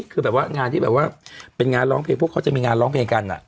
คือแบบว่างานที่แบบว่าเป็นงานร้องเพลงพวกเขาจะมีงานร้องเพลงกัน